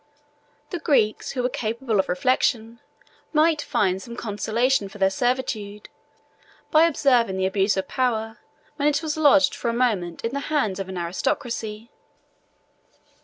The Greeks who were capable of reflection might find some consolation for their servitude, by observing the abuse of power when it was lodged for a moment in the hands of an aristocracy.